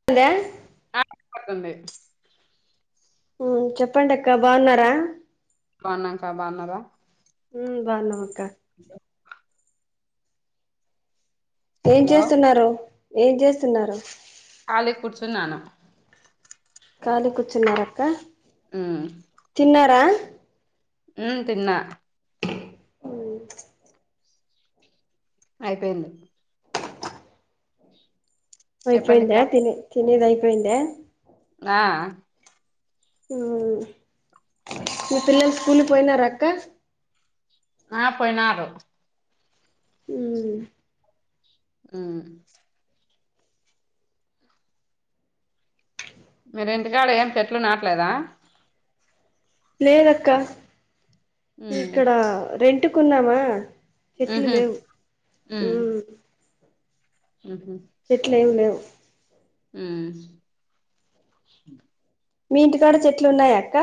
[unintelligible] [unintelligible] హు చెప్పండి అక్క బాగున్నార బన్నాంక బాన్నర ఉ బాగున్నాం అక్క ఏం హలో చేస్తున్నారు ఏం చేస్తున్నారు కాలిగ కూర్చునాను [unintelligible] కూర్చున్నారక్క ఉమ్ తిన్నారా ఉ తిన్నా అయిపోయింది చెప్పండి అయిపోయింద అక్క తినేది అయిపోయిందా ఆ మీ పిల్లలు స్కూల్ పోయినార అక్క ఆ పోయినరూ ఉ ఉ మ ఇంటికాడ ఏం చెట్లు నాట్లేద లేదక్క ఉమ్ ఇక్కడ రెంట్ [unintelligible] చెట్లు ఉహు లేవు హమ్ ఇట్లు ఏం లేవు మ్మ్ మీ ఇంటి కూడా చెట్లు ఉన్నాయా అక్క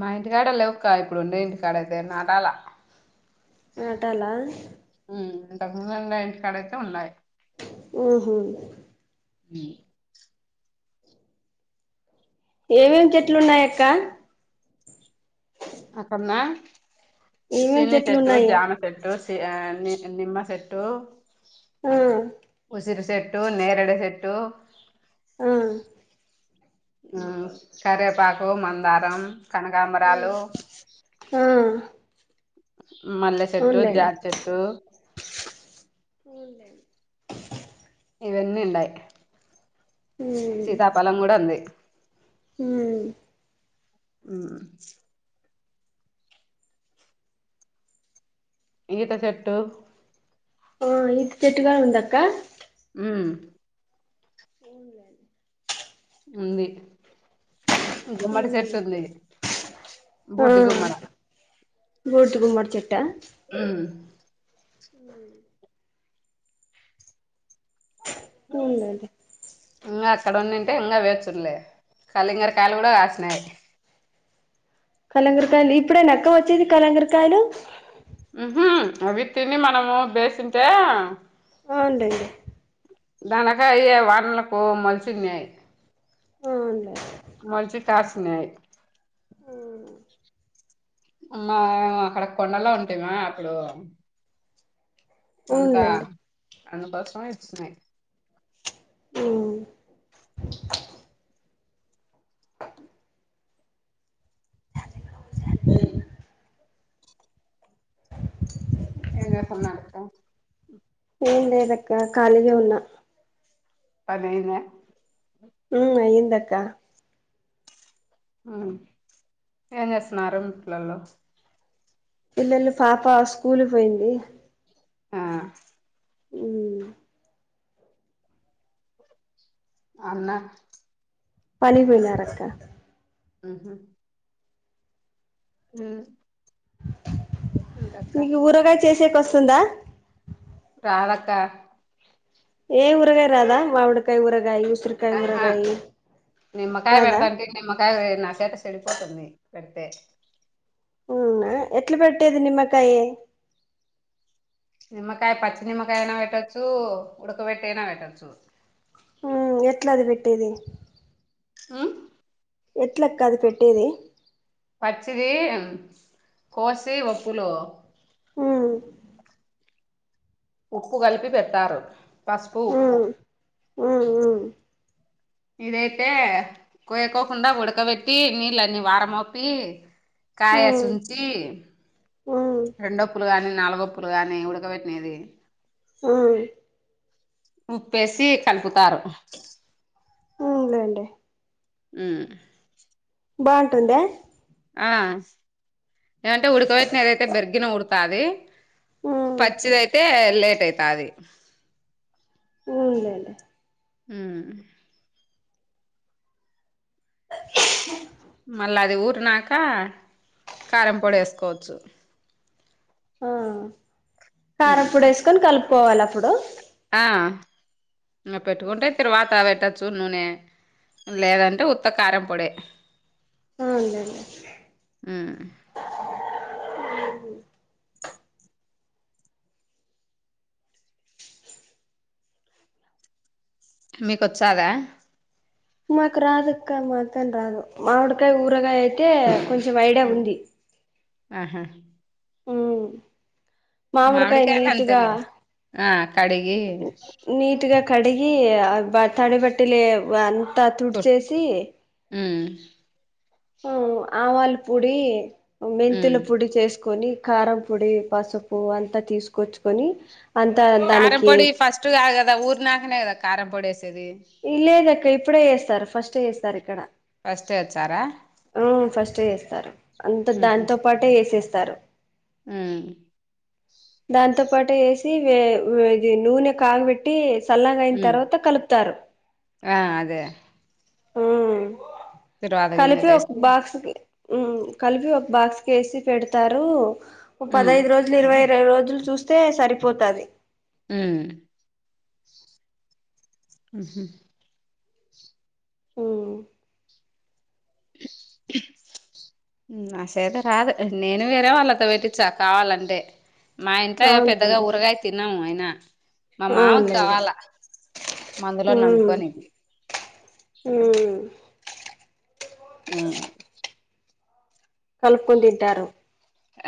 మా ఇంటికాడ లేవుక్క ఇప్పుడు ఉండే ఇంటికాడ అయితే నాటలా నాటాల ఇంతకు ముందు ఇంటికాడ అయితే ఉన్నాయి ఓహో [unintelligible] ఏమేమి చెట్లు ఉన్నాయ అక్క అక్కన్నా ఏమేమి సినీ చెట్లు చెట్టు ఉన్నాయి జామ సెట్టు ఆ ని నిమ్ సెట్టు ఆ ఉసిరి సెట్టు నేరేడ చెెట్టు ఆ ఆ కరేపాకు మందారం కనకాంబరాలు ఆ మల్లె చెట్టు అవునులేండి జాజ్ చెట్టు [inaudible] ఇవన్నీవుండాయి మ్మ్ బలం గూడా ఉంది మ్మ్ మ్మ్ ఈత చెట్టు ఆ ఈత చెట్టుగా ఉందక్క మ్మ్ [inaudible] ఉంది గుమ్మడి సెట్ ఉంది బూడ్ది గుమ్మడ బూడ్దిగుమ్మడి చెట్టా మ్మ్ ఉ ఉడండి ఇంగా అక్కడ ఉండింటే ఇంగా వేచుండలే కళింగరకాయలు కాసినాయి కలంగరకాయలు ఇప్పుడే నాక్క వచ్చేది కలంగరకాయలు ఉహమ్ అవి తిని మనము బేసింటే [unintelligible] దానకాయా వానలకు మోలుచున్నాయి [unintelligible] మోల్చి కాసినాయి మా అక్కడ కొండలో ఉంటి మా అప్పుడు అంతా అవునులేండి అన్న కొసమే ఇడ్స్నయ్ హుమ్మ్ ఏంచేసిన్నాటం ఏం లేదక్క ఖాళీగానే ఉన్నా పనైందా ఉ అయిందక్క ఏం చేస్తున్నారు ఇంట్లలో పిల్లలు పాప స్కూల్ కు పోయింది ఆ ఉమ్ అన్న పనికి వెళ్ళరక్క ఉహ్ హ్ మీకు ఊరగాయ చేసేకి వస్తుందా రాదక్క ఏ ఊరగాయా రాదా మామిడికాయ ఊరగాయ ఉసిరి ఆహా నిమ్మకాయ్ రాదా పెడతా అంటె నిమ కాదె నా చేత చెడిపోతుంది. పెడితే అవునా ఎట్ల పెట్టేది నిమ్మకాయ నిమ్మకాయ పచ్చి నిమ్మకాయనా పెట్టొచ్చు ఉడకబెట్ట అయినా పెట్టొచ్చు హ్ ఎట్లాది పెట్టేది హ్ ఎట్లక్క అది పెట్టేది పచ్చిడి కోసి ఉప్పులో హ్ ఉప్పు కలిపి పెట్టారు. పసుపు ఉప్పు హ్ హ్ ఇదైతే కోయకోకుండా ఉడకబెట్టి నీళ్ళన్ని వార మొపి కాయ ఉమ్ సుంచి ఉమ్ రెండో పుల్లగాని నాలుగో పుల్ల గాని నానబెట్టి ఉడకబెట్టినది ఉమ్ ఉప్పేసి కలుపుతారు లేండి ఊ బాగుంటుంద ఆ ఏమంటే ఉడకబెట్టిన ఏదైతే బెర్గిన ఉడుకు తది ఉమ్ పచ్చిదియితే లేట్ అయితాది ఉ లెండి ఉ మళ్ళా అది ఊరినాక కారంపొడి వేసుకోవచ్చు ఆ కారం ఉమ్ పొడి వేసుకొని కలుపుకోవాల అప్పుడు ఆ పెట్టుకుంటే తర్వాత పెట్టచ్చు నూనె లేదంటే ఉత్త కారం పొడి ఆ ఉందండి హ్ మీకు వచ్చా ఆదా మాకు రాదు ఆక్క మాతోని రాదు మామిడికాయ ఊరగాయ అయితే కొంచెం ఐడియా ఉమ్ ఉంది. ఆహా ఉమ్ మామిడికాయ మామిడికాయల నీటుగా అంతలే ఆ కడిగి నీట్గా కడిగి తడిబట్టలే అంతా తుడిచేసి మ్మ్ మ్మ్ ఆవాల పొడి మెంతుల ఉమ్ పొడి చేసుకొని కారం పొడి పసుపు అంతా తీసుకొచ్చుకొని అంత కారం పొడి ఫస్ట్ కాదుకదా ఊర్నాకనే కదా కారం పొడిసేది లేదక్క ఇప్పుడే ఏస్తారు ఫస్ట్ ఏస్తారు ఇక్కడ ఫస్టే ఏచ్చారా ఆ ఫస్ట్ ఏస్తారు అంత దాతో పాటే ఏసేస్తారు హుమ్మ్ దాంతో పాటు ఏసి వే వే ఇది నూనె కాగిబెట్టి టి సల్లగా అయిన ఉమ్ తర్వాత కలుపుతారు ఆ అదే హామ్ తిరువాత కలిపి ఒక గింజలేసి బాక్స్కికి కలిపి ఒక బాక్స్ వేసి పెడతారు ఒక ఉమ్ పదైదు రోజులు ఇరవై ఇరవై రోజులు చూస్తే సరిపోతాది మ్మ్ ఆహ మ్మ్ హుమ్ హుమ్ నాకు సేత కాదు నేను వేరే వాళ్ళతో పెట్టించా కావాలంటే మా ఇంట్లో పెద్దగా అవునులేండి ఊరగాయ తినము అయినా మా మావకి అవునులేండి కావాలా మందులో నందుకొని ఇ హమ్ ఆమ్ కలుపుకొని తింటారు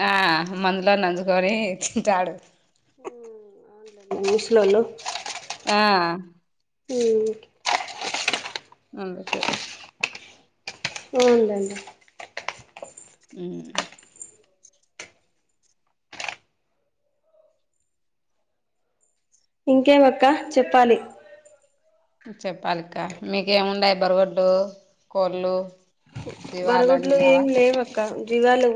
ఆ మందులో నంచుకొని తింటాడు అవునడి ఇంగ్లీష్ లలో ఆ మ్ అమెరికాక ఉందండి మ్ ఇంకేమక్క చెప్పాలి చెప్పాలి అక్క మీకే మున్నాయి బరుగొడ్లు కోళ్ళు జీవాలని బరగోడ్లు లేవా ఏమి లేవు అక్క జివాలు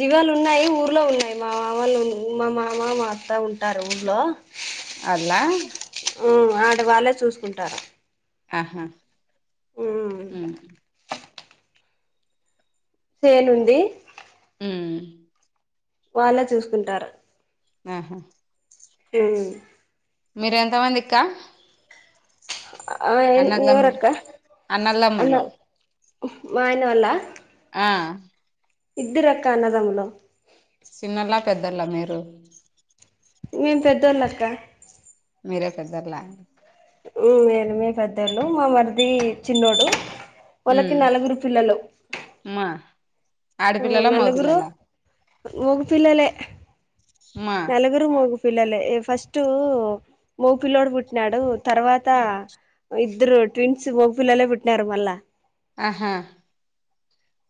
జీగాలు ఉన్నాయి ఊర్లో ఉన్నాయి మా మా వాళ్లు మా మామ మా అత్త ఉంటారు ఊర్లో అదాలా మ్మ్ ఆడవాళ్ళే చూసుకుంటారు ఆహా హమ్ చేనుంది మ్ వాళ్ళే చూసుకుంటారు ఆహా [unintelligible] మీరూ ఎంత మంది అక్కా ఆ ఎవరు అన్నదమ్ములు అక్కా అన్న అన్నదమ్ములు మా ఆయన వాళ్ళ ఆ ఇద్దరూ అక్కా అన్నదమ్ములు చిన్నోళ్ల పెద్దోళ్ల మీరు మేం పెద్దోళ్ళక్క మీరే పెద్దోళ్ళ మ్ మేమే మీ పెద్దోళ్ళు మా మరది చిన్నోడు వాళ్ళకి మ్ నలుగురు పిల్లలు మా ఆడపిల్లలా నలుగురు మగపిల్లలా మోగ పిల్లలే మా నలుగురు మోగ పిల్లలే ఫస్ట్ మోగ పిల్లోడు పుట్టినాడు తర్వాత ఇద్దరు ట్విన్స్ మోగ పిల్లలే పుట్టినారు మళ్ళా ఆహా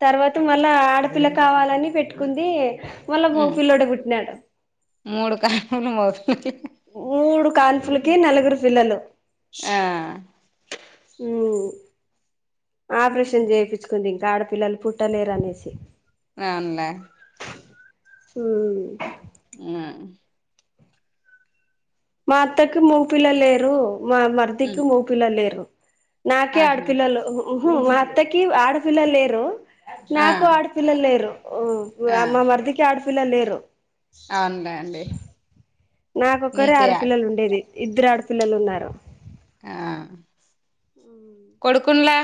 తర్వాత మళ్ళా ఆడపిల్ల కావాలని పెట్టుకుంది మళ్ళా మ్ మోగపిల్లోడే పుట్టినాడు మూడు కాన్పులు మోగ పిల్లగ్ మూడు కాల్పులకి నలుగురు పిల్లలు ఆ మ్ ఆపరేషన్ చేపించ్ కుంది ఇంకా ఆడపిల్లలు పుట్టలేరు అనేసి అవునులే మ్ ఆ మా అత్తకి మోగ పిల్లలు లేరు మా మర్దికి హ్మ్ మోగ పిల్లలు లేరు నాకే ఆహా ఆడపిల్లలు మ్ హు మా అత్తకి ఆడపిల్లలు లేరు ఆ నాకు ఆడపి పిల్లలు లేరు మా మర్దికి ఆడపిల్లలు లేరు అవున్లేండి నాకొక్కరే ఆడ పిల్లలు ఉండేది ఇద్దరు ఆడ పిల్లలు ఉన్నారూ ఆ కొడుకుల్నే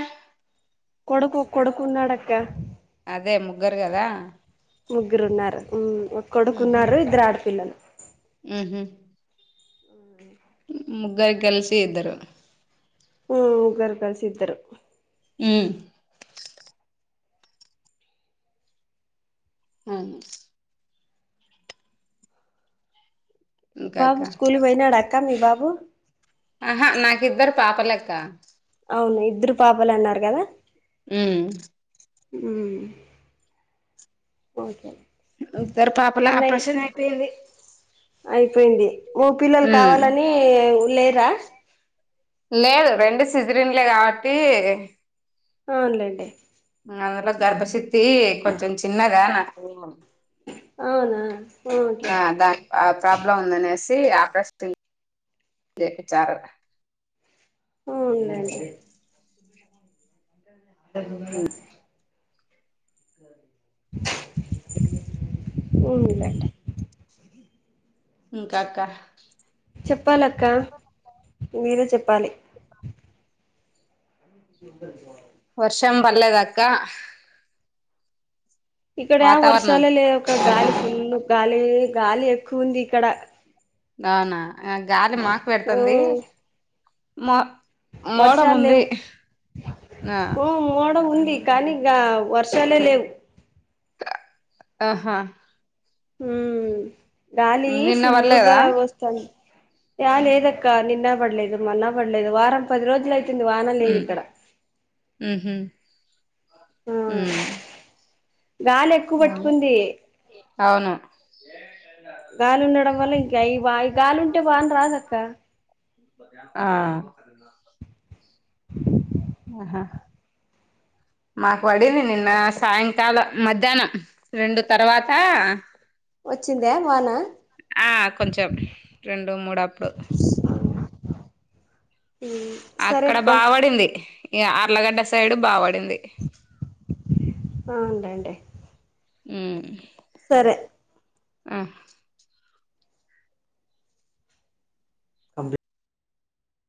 కొడుకు కొడుకున్నాడక్క అదే ముగ్గురు కదా ముగ్గురున్నారు మ్ ఓ కొడుకున్నారు ఇద్దరు ఆడపిల్లలు మ్ హు ముగ్గురికి కల్సి ఇద్దరు మ్ ముగ్గురు కలిసి ఇద్దరు మ్ ఆ ఇంకా అక్క బాబు స్కూల్ కు పోయినాడ అక్కా మీ బాబు ఆహా నాకిద్దరు పాప లె అక్క అవును ఇద్దరు పాపలే అన్నారు కదా మ్ మ్ ఓకే ఇద్దరు పాపలా అన్నయ్య ఆప్రిషన్ అయిపోఇంది అయిపోయింది మూ పిల్లలు కావాలని లేరా లేదు రెండు సిజరిన్లే కాబట్టి అవున్లేండి ఇంగ అందులో గర్భచిత్తి కొంచెం చిన్నదా నాకు అవునా ఓకే ఆ దాని ఆ ప్రాబ్లం ఉందనేసి ఆపరేషన్ చేయిచ్చారు అవునులేండి అ ఉన్లేండి ఇంకాక్క చెప్పాలక్క మీరే చెప్పాలి ఇ వర్షం పల్లేదా అక్క ఇక్కడ వాతావరణం వర్షాలే లేవు అక్క గాలి ఫుల్లు గాలే గాలి ఎక్కువ ఉంది ఇక్కడ అవునా ఆ గాలి మాకు పెడుతంది మ వర్షాల్లేవు ఆ మ్మ్ మోడం ఉంది కానీ ఇగా వర్షాలే లేవు ఆహా హ్మ్ గాలి నిన్న ఫుల్లుగా పర్లేదా వస్ యా లేదక్క నిన్న బడ్లేదు మొన్న బడ్లేదు వారం పది రోజులు అయితుంది వాన లేదు మ్మ్ ఇక్కడ మ్మ్ హ్మ్ ఆ ఉమ్ గాలి ఎక్కువ పట్టుకుంది అవును గాలి ఉండడం వల్ల ఇంకా అవి బా గాలి ఉంటే వాన రాదక్క ఆ ఉ అహా మాకు పడింది నిన్న సాయంకాలం మధ్యాహ్నం రెండు తర్వాత వచ్చిందా వానా ఆ కొంచెం రెండు మూడు అప్పుడు హ్మ్ అక్కడ బాబడింది ఈ ఆర్లగడ్డ సైడు బాపడింది ఆ ఉండాయండి హ్మ్ సరే ఉ అంపీ